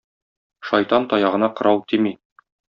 Шайтан таягына кырау тими.